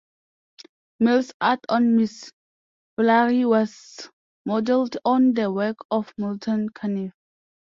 Mills' art on "Miss Fury" was modeled on the work of Milton Caniff.